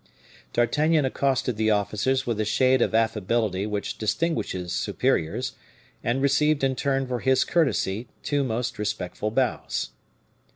D'Artagnan accosted the officers with the shade of affability which distinguishes superiors, and received in turn for his courtesy two most respectful bows.